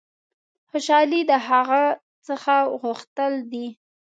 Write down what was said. خوشحالي د هغه څه غوښتل دي.